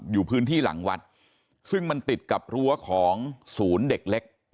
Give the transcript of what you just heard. อยู่พื้นที่หลังวัดซึ่งมันติดกับรั้วของศูนย์เด็กเล็ก